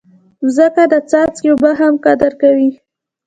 مځکه د څاڅکي اوبه هم قدر کوي.